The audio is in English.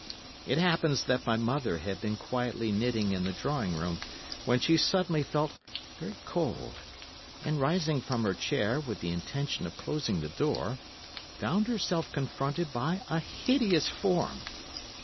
It appears that my mother had been quietly knitting in the drawing room, when she suddenly felt very cold, and rising from her chair, with the intention of closing the door, found herself confronted by a hideous form.